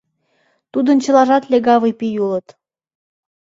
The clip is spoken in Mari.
Тудын чылажат легавый пий улыт...